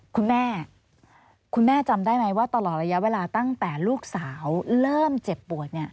คุณแม่คุณแม่จำได้ไหมว่าตลอดระยะเวลาตั้งแต่ลูกสาวเริ่มเจ็บปวดเนี่ย